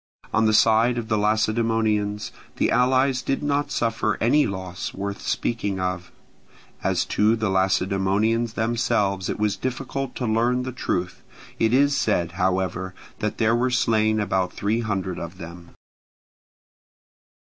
On the side of the Lacedaemonians, the allies did not suffer any loss worth speaking of: as to the Lacedaemonians themselves it was difficult to learn the truth; it is said, however, that there were slain about three hundred of them.